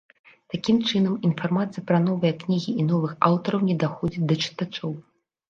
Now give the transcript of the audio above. Такім чынам, інфармацыя пра новыя кнігі і новых аўтараў не даходзіць да чытачоў.